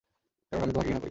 কারণ আমি তোমাকে ঘৃণা করি।